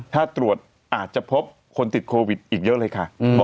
ถ้าตรวจอาจจะพบคนติดโควิดอีกเยอะเลยค่ะ